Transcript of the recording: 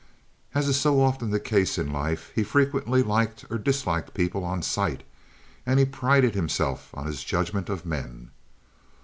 As is so often the case in life, he frequently liked or disliked people on sight, and he prided himself on his judgment of men.